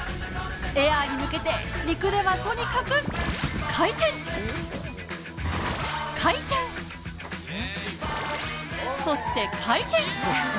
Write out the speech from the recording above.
エアーに向けて、陸ではとにかく回転、回転、そして回転。